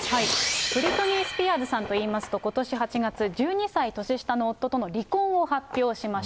ブリトニー・スピアーズさんといいますと、ことし８月、１２歳年下の夫との離婚を発表しました。